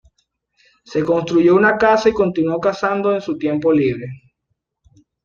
Se construyó una casa y continuó cazando en su tiempo libre.